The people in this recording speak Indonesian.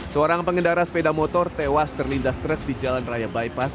seorang pengendara sepeda motor tewas terlindas truk di jalan raya bypass